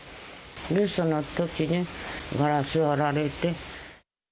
留守のときにガラス割られて。